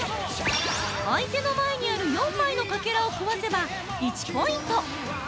相手の前にある４枚のかけらを壊せば１ポイント。